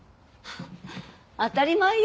当たり前よ。